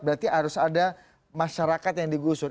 berarti harus ada masyarakat yang digusur